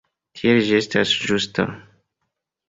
Tiel ĝi estas ĝusta.